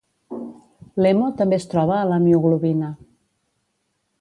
L'hemo també es troba a la mioglobina.